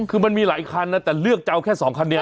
คือมันมีหลายคันนะแต่เลือกจะเอาแค่๒คันนี้